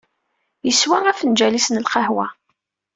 Yeswa afenǧal-is n lqahwa.